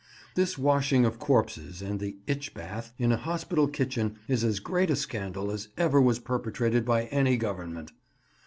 This washing of corpses and the "itch bath" in a hospital kitchen is as great a scandal as ever was perpetrated by any Government.